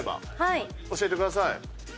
教えてください。